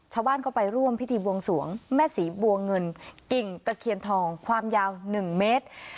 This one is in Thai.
ชาวบ้านก็ไปร่วมพิธีบวงสวงแม่ศรีบัวเงินกิ่งตะเคียนทองความยาว๑เมตร